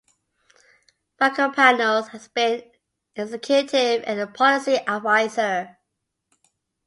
Bakopanos has been an executive, and a policy adviser.